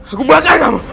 aku bakar kamu